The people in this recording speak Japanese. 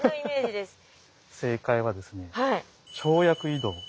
正解はですね跳躍移動。